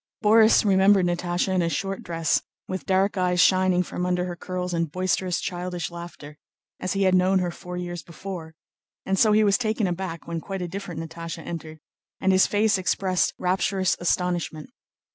Borís remembered Natásha in a short dress, with dark eyes shining from under her curls and boisterous, childish laughter, as he had known her four years before; and so he was taken aback when quite a different Natásha entered, and his face expressed rapturous astonishment.